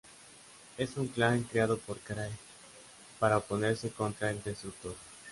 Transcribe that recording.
Es un Clan creado por Karai para oponerse contra el de Destructor.